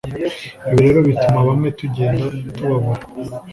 ibi rero bituma bamwe tugenda tubabura